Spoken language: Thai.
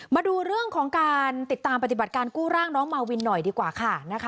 มาดูเรื่องของการติดตามปฏิบัติการกู้ร่างน้องมาวินหน่อยดีกว่าค่ะ